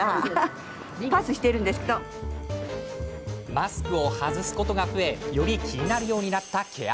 マスクを外すことが増えより気になるようになった毛穴。